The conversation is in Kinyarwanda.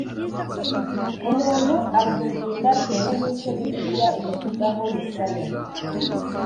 umuntu abyirinda bitewe n icyo bibiliya ibivugaho yesaya